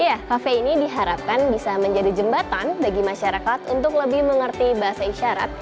iya kafe ini diharapkan bisa menjadi jembatan bagi masyarakat untuk lebih mengerti bahasa isyarat